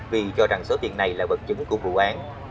vì cho rằng số tiền này là vật chứng của vụ án